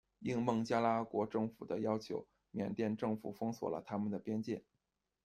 应孟加拉国政府的要求，缅甸政府封锁了他们的边界。